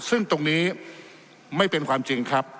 ซึ่งตรงนี้ไม่เป็นความจริงครับ